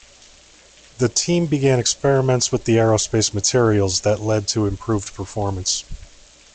The team began experiments with aerospace materials that led to improved performance.